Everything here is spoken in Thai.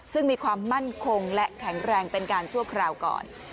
ซึ่งมีความมั่นคงและแข็งแรงเป็นการชั่วคราวก่อน